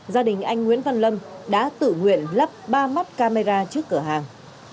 gia đình anh nguyễn văn lâm đã tự nguyện lắp ba mắt camera trước cửa hàng